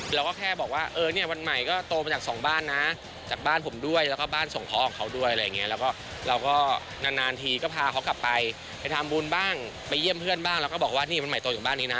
เราก็แค่บอกว่าเออเนี่ยวันใหม่ก็โตมาจากสองบ้านนะจากบ้านผมด้วยแล้วก็บ้านส่งเขาด้วยอะไรอย่างเงี้ยแล้วก็เราก็นานนานทีก็พาเขากลับไปไปทำบุญบ้างไปเยี่ยมเพื่อนบ้างแล้วก็บอกว่านี่วันใหม่โตจากบ้านนี้นะ